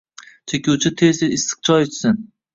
Chekuvchi tez-tez issiq choy ichsin.